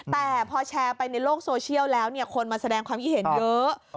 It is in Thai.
แต่พอแชร์ไปในโลกโซเชียลแล้วคนมาแสดงความคิดเห็นเยอะ